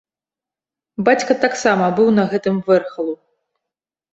Бацька таксама быў на гэтым вэрхалу.